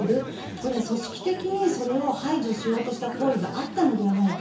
これは組織的にそれを排除しようした行為があったのではないか。